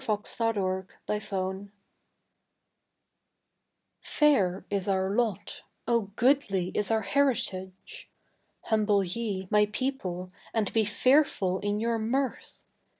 A SONG OF THE ENGLISH. _Fair is our lot O goodly is our heritage! (Humble ye, my people, and be fearful in your mirth!)